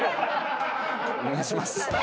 お願いします。